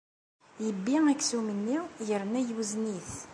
Yebbi aksum-nni yerna yewzen-it.